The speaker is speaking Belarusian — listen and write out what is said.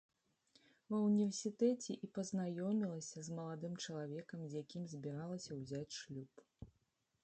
Ва ўніверсітэце і пазнаёмілася з маладым чалавекам, з якім збіралася ўзяць шлюб.